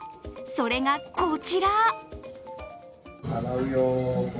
それがこちら。